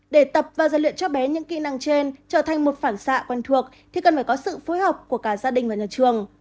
để tập và dạy luyện cho bé những kỹ năng trên trở thành một phản xạ quen thuộc thì cần phải có sự phối hợp của cả gia đình và nhà trường